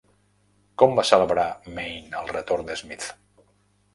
Com va celebrar Maine el retorn de Smith?